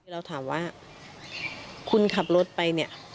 เราถามว่าคุณขับรถไป